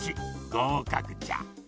ごうかくじゃ。